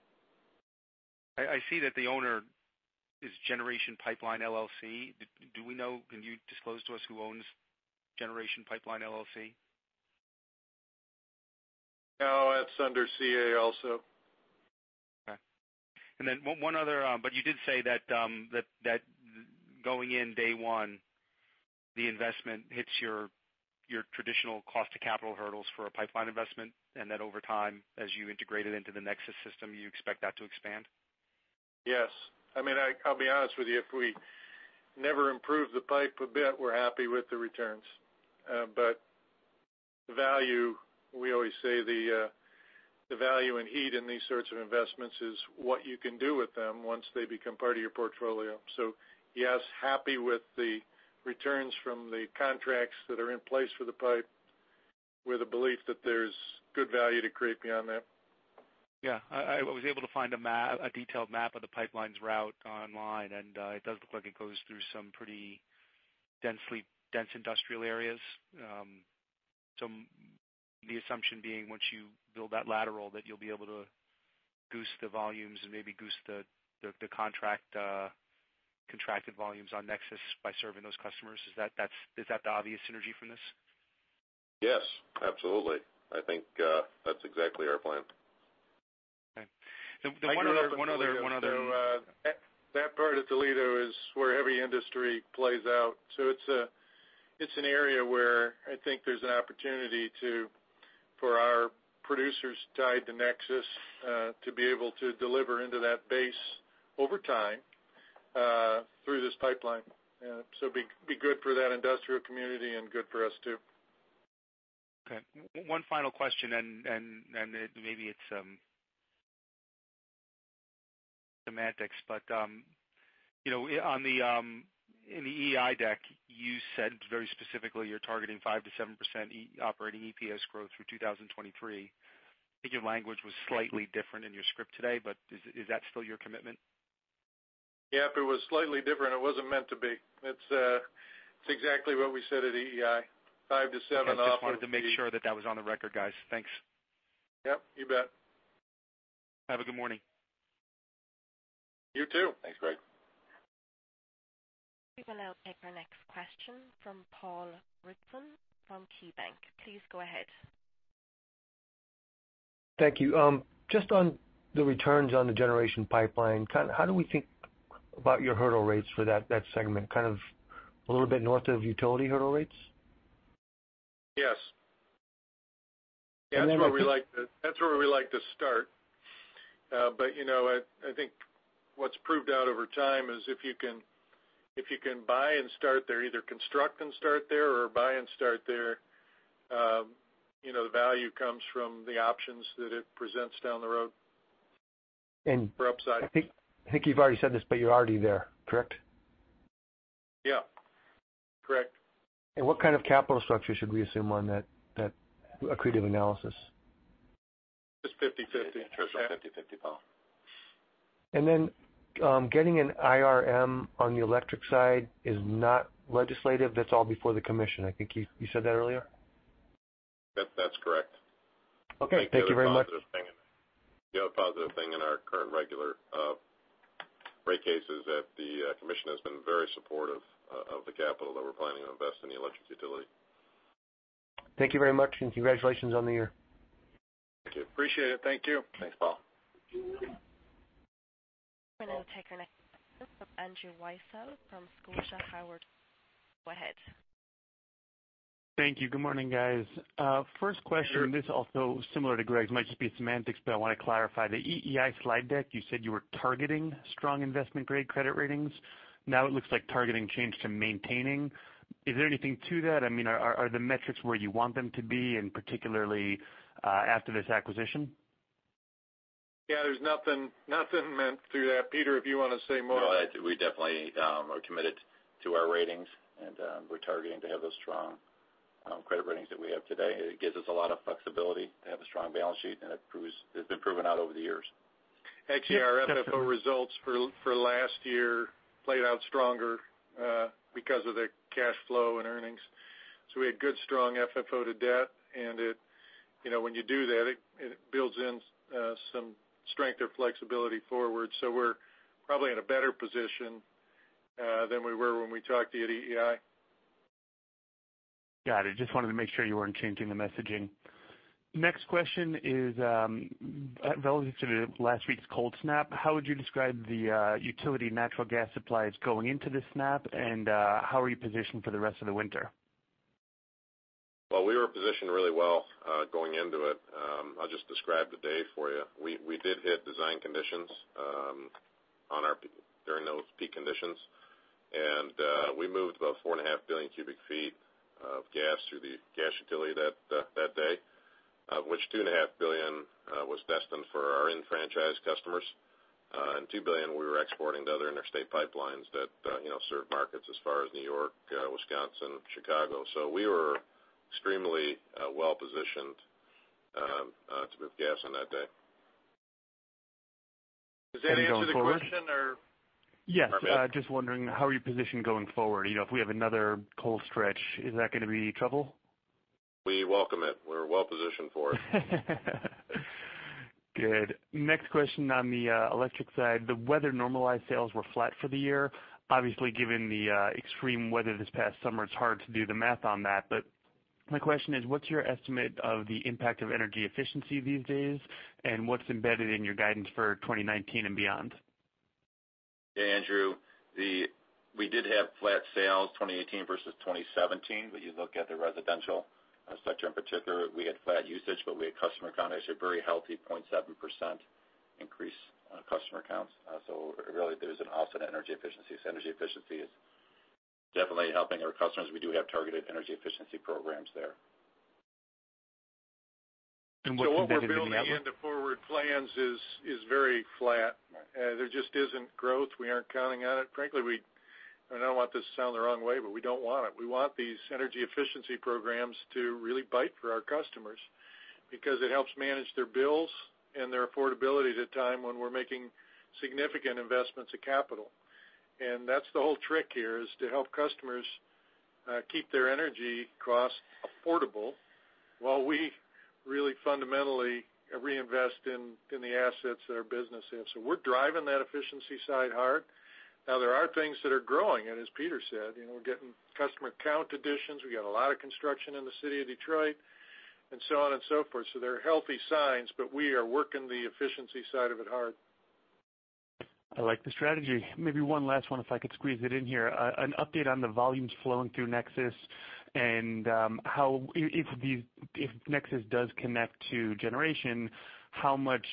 I see that the owner is Generation Pipeline LLC. Can you disclose to us who owns Generation Pipeline LLC? No, that's under CA also. Okay. You did say that going in day one, the investment hits your traditional cost to capital hurdles for a pipeline investment, and that over time, as you integrate it into the NEXUS system, you expect that to expand? Yes. I'll be honest with you, if we never improve the pipe a bit, we're happy with the returns. The value, we always say the value in heat in these sorts of investments is what you can do with them once they become part of your portfolio. Yes, happy with the returns from the contracts that are in place for the pipe, with a belief that there's good value to create beyond that. Yeah. I was able to find a detailed map of the pipeline's route online. It does look like it goes through some pretty dense industrial areas. The assumption being once you build that lateral, that you'll be able to goose the volumes and maybe goose the contracted volumes on NEXUS by serving those customers. Is that the obvious synergy from this? Yes, absolutely. I think that's exactly our plan. Okay. One other- That part of Toledo is where every industry plays out. It's an area where I think there's an opportunity for our producers tied to NEXUS to be able to deliver into that base over time through this pipeline. It'd be good for that industrial community and good for us, too. Okay. One final question, maybe it's semantics, but in the EEI deck, you said very specifically you're targeting 5%-7% operating EPS growth through 2023. I think your language was slightly different in your script today, is that still your commitment? Yep. It was slightly different. It wasn't meant to be. It's exactly what we said at EEI, 5%-7% operating EPS growth. I just wanted to make sure that that was on the record, guys. Thanks. Yep, you bet. Have a good morning. You too. Thanks, Greg. We will now take our next question from Paul Ridzon from KeyBanc. Please go ahead. Thank you. Just on the returns on the Generation Pipeline, how do we think about your hurdle rates for that segment? Kind of a little bit north of utility hurdle rates? Yes. That's where we like to start. I think what's proved out over time is if you can buy and start there, either construct and start there or buy and start there, the value comes from the options that it presents down the road for upside. I think you've already said this, you're already there, correct? Yeah. Correct. What kind of capital structure should we assume on that accretive analysis? Just 50/50. 50/50, Paul. Getting an IRM on the electric side is not legislative. That's all before the commission. I think you said that earlier? That's correct. Okay. Thank you very much. The other positive thing in our current regular rate case is that the commission has been very supportive of the capital that we're planning to invest in the electric utility. Thank you very much, and congratulations on the year. Thank you. Appreciate it. Thank you. Thanks, Paul. We'll now take our next question from Andrew Weisel from Scotia Howard. Go ahead. Thank you. Good morning, guys. First question- Sure. This also similar to Greg's, might just be semantics, but I want to clarify. The EEI slide deck, you said you were targeting strong investment-grade credit ratings. Now it looks like targeting changed to maintaining. Is there anything to that? Are the metrics where you want them to be, and particularly after this acquisition? Yeah, there's nothing meant through that. Peter, if you want to say more. No. We definitely are committed to our ratings and we're targeting to have those strong credit ratings that we have today. It gives us a lot of flexibility to have a strong balance sheet, and it has been proven out over the years. Actually, our FFO results for last year played out stronger because of the cash flow and earnings. We had good strong FFO to debt, and when you do that, it builds in some strength or flexibility forward. We're probably in a better position than we were when we talked to you at EEI. Got it. Just wanted to make sure you weren't changing the messaging. Next question is relative to last week's cold snap. How would you describe the utility natural gas supplies going into the snap, and how are you positioned for the rest of the winter? Well, we were positioned really well going into it. I'll just describe the day for you. We did hit design conditions during those peak conditions, and we moved about 4,500,000,000 cubic ft of gas through the gas utility that day, of which 2.5 billion was destined for our enfranchised customers, and 2 billion we were exporting to other interstate pipelines that serve markets as far as New York, Wisconsin, Chicago. We were extremely well-positioned to move gas on that day. Does that answer the question? Yes. Just wondering how you're positioned going forward. If we have another cold stretch, is that going to be trouble? We welcome it. We're well positioned for it. Good. Next question on the electric side. The weather-normalized sales were flat for the year. Obviously, given the extreme weather this past summer, it's hard to do the math on that. My question is, what's your estimate of the impact of energy efficiency these days, and what's embedded in your guidance for 2019 and beyond? Yeah, Andrew, we did have flat sales 2018 versus 2017. You look at the residential sector in particular, we had flat usage, but we had customer count, actually a very healthy 0.7% increase in customer counts. Really, there's an offset in energy efficiency. Energy efficiency is definitely helping our customers. We do have targeted energy efficiency programs there. What's embedded in the outlook? What we're building into forward plans is very flat. There just isn't growth. We aren't counting on it. Frankly, I don't want this to sound the wrong way, but we don't want it. We want these energy efficiency programs to really bite for our customers because it helps manage their bills and their affordability at a time when we're making significant investments of capital. That's the whole trick here, is to help customers keep their energy costs affordable while we really fundamentally reinvest in the assets that our business is. We're driving that efficiency side hard. There are things that are growing, and as Peter said, we're getting customer count additions. We got a lot of construction in the city of Detroit, and so on and so forth. There are healthy signs, but we are working the efficiency side of it hard. I like the strategy. Maybe one last one, if I could squeeze it in here. An update on the volumes flowing through NEXUS, and if NEXUS does connect to Generation, how much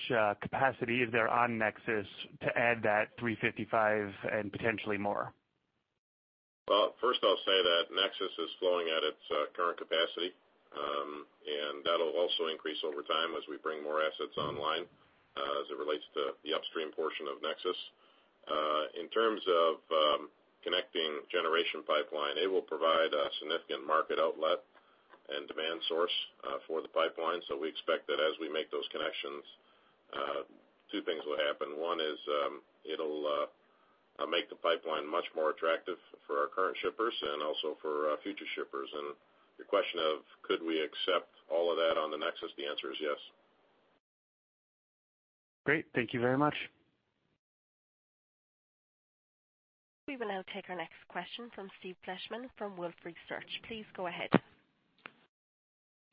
capacity is there on NEXUS to add that 355 and potentially more? First I'll say that NEXUS is flowing at its current capacity. That'll also increase over time as we bring more assets online as it relates to the upstream portion of NEXUS. In terms of connecting Generation Pipeline, it will provide a significant market outlet and demand source for the pipeline. We expect that as we make those connections two things will happen. One is it'll make the pipeline much more attractive for our current shippers and also for future shippers. Your question of could we accept all of that on the NEXUS, the answer is yes. Great. Thank you very much. We will now take our next question from Steve Fleishman from Wolfe Research. Please go ahead.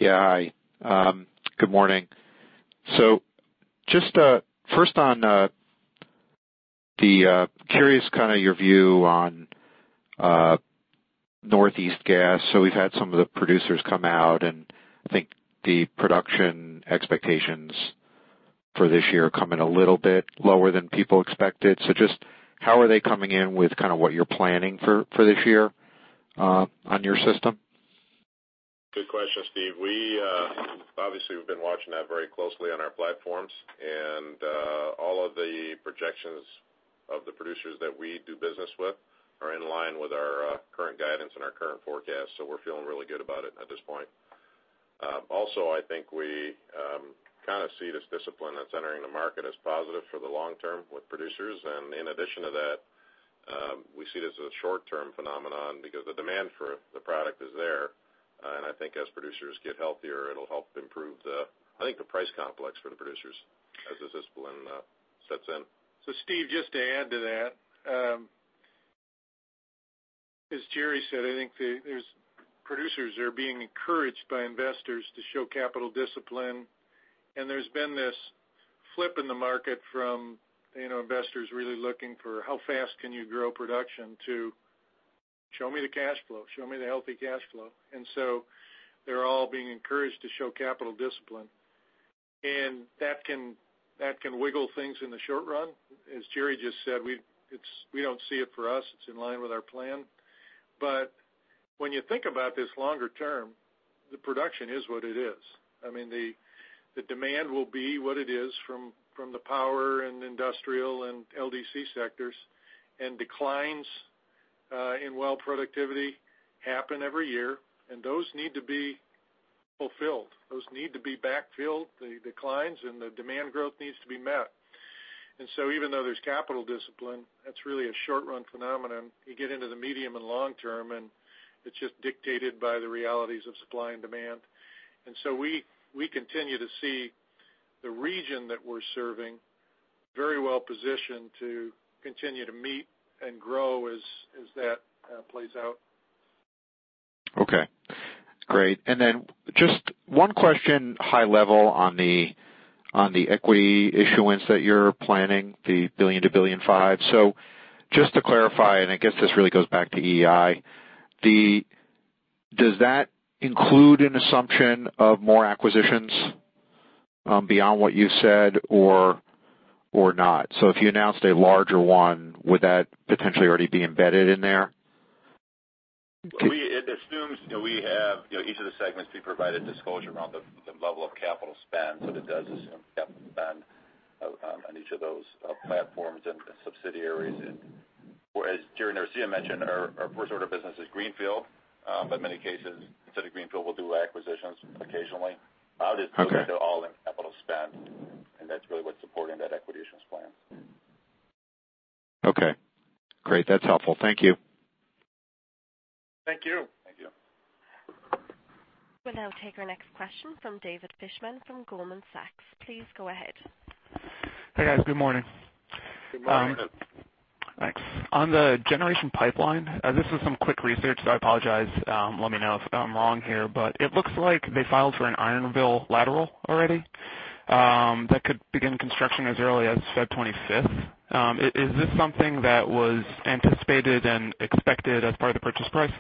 Yeah, hi. Good morning. Just first on the curious kind of your view on Northeast gas. We've had some of the producers come out, and I think the production expectations for this year come in a little bit lower than people expected. Just how are they coming in with kind of what you're planning for this year on your system? Good question, Steve. Obviously we've been watching that very closely on our platforms, All of the projections of the producers that we do business with are in line with our current guidance and our current forecast. We're feeling really good about it at this point. Also, I think we kind of see this discipline that's entering the market as positive for the long term with producers. In addition to that. We see it as a short-term phenomenon because the demand for the product is there. I think as producers get healthier, it'll help improve the price complex for the producers as the discipline sets in. Steve, just to add to that. As Jerry said, I think the producers are being encouraged by investors to show capital discipline, there's been this flip in the market from investors really looking for how fast can you grow production to show me the cash flow. Show me the healthy cash flow. They're all being encouraged to show capital discipline, and that can wiggle things in the short run. As Jerry just said, we don't see it for us. It's in line with our plan. When you think about this longer term, the production is what it is. I mean, the demand will be what it is from the Power & Industrial and LDC sectors, declines in well productivity happen every year, and those need to be fulfilled. Those need to be backfilled, the declines, and the demand growth needs to be met. Even though there's capital discipline, that's really a short-run phenomenon. You get into the medium and long term, it's just dictated by the realities of supply and demand. We continue to see the region that we're serving very well-positioned to continue to meet and grow as that plays out. Okay. Great. Just one question, high level on the equity issuance that you're planning, the $1 billion-$1.5 billion. Just to clarify, I guess this really goes back to EEI, does that include an assumption of more acquisitions beyond what you said or not? If you announced a larger one, would that potentially already be embedded in there? It assumes that we have each of the segments we provided disclosure around the level of capital spend. It does assume capital spend on each of those platforms and subsidiaries. As Jerry Norcia mentioned, our first order of business is greenfield. In many cases, instead of greenfield, we'll do acquisitions occasionally. Okay. I would assume they're all in capital spend. That's really what's supporting that acquisitions plan. Okay, great. That's helpful. Thank you. Thank you. Thank you. We'll now take our next question from David Fishman from Goldman Sachs. Please go ahead. Hey, guys. Good morning. Good morning. Good morning. Thanks. On the Generation Pipeline, this is some quick research. I apologize, let me know if I'm wrong here, but it looks like they filed for an Ironville lateral already that could begin construction as early as February 25th. Is this something that was anticipated and expected as part of the purchase price?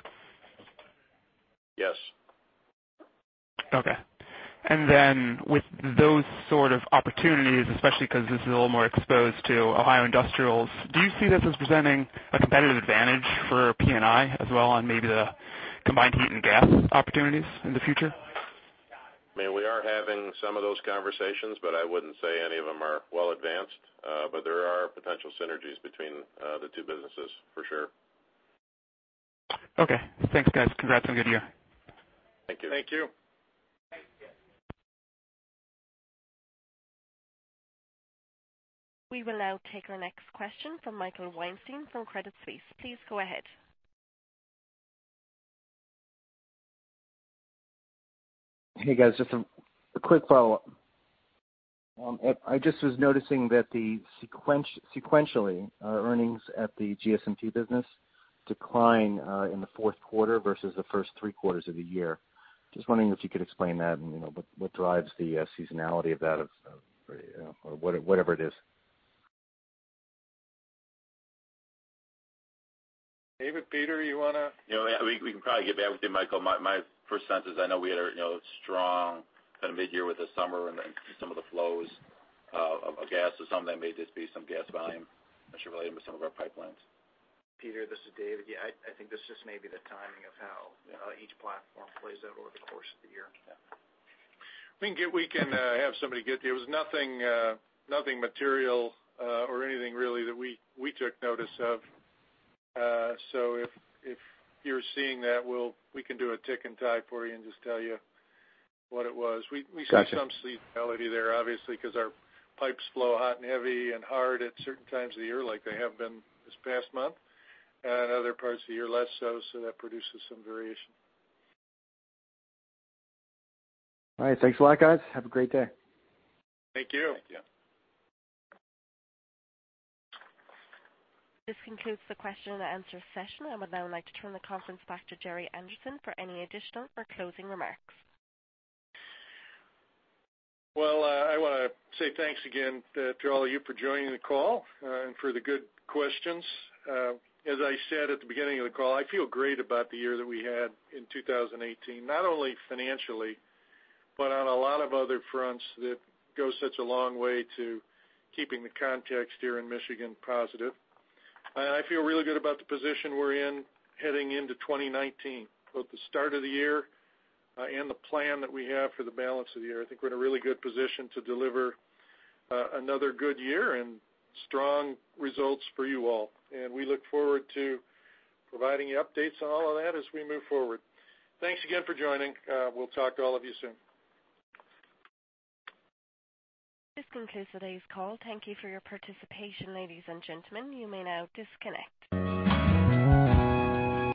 Yes. Okay. With those sort of opportunities, especially because this is a little more exposed to Ohio industrials, do you see this as presenting a competitive advantage for P&I as well on maybe the combined heat and gas opportunities in the future? I mean, we are having some of those conversations, I wouldn't say any of them are well advanced. There are potential synergies between the two businesses for sure. Okay. Thanks, guys. Congrats on a good year. Thank you. Thank you. We will now take our next question from Michael Weinstein from Credit Suisse. Please go ahead. Hey, guys. Just a quick follow-up. I just was noticing that sequentially, earnings at the GSP business decline in the fourth quarter versus the first three quarters of the year. Just wondering if you could explain that and what drives the seasonality of that or whatever it is. David, Peter, you want to? Yeah, we can probably get back with you, Michael. My first sense is I know we had a strong kind of mid-year with the summer and some of the flows of gas or something may just be some gas volume which are related to some of our pipelines. Michael, this is David. Yeah, I think this just may be the timing of how each platform plays out over the course of the year. Yeah. There was nothing material or anything really that we took notice of. If you're seeing that, we can do a tick and tock for you and just tell you what it was. Got you. We see some seasonality there, obviously, because our pipes flow hot and heavy and hard at certain times of the year like they have been this past month, and other parts of the year less so. That produces some variation. All right. Thanks a lot, guys. Have a great day. Thank you. Thank you. This concludes the question and answer session. I would now like to turn the conference back to Gerry Anderson for any additional or closing remarks. Well, I want to say thanks again to all of you for joining the call and for the good questions. As I said at the beginning of the call, I feel great about the year that we had in 2018, not only financially, but on a lot of other fronts that go such a long way to keeping the context here in Michigan positive. I feel really good about the position we're in heading into 2019, both the start of the year and the plan that we have for the balance of the year. I think we're in a really good position to deliver another good year and strong results for you all. We look forward to providing you updates on all of that as we move forward. Thanks again for joining. We'll talk to all of you soon. This concludes today's call. Thank you for your participation, ladies and gentlemen. You may now disconnect.